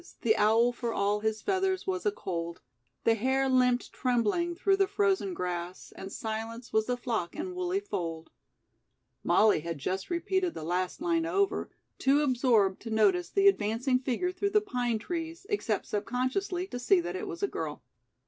The owl for all his feathers was a cold; The hare limp'd trembling through the frozen grass And silent was the flock in woolly fold '" Molly had just repeated the last line over, too absorbed to notice the advancing figure through the pine trees, except sub consciously to see that it was a girl.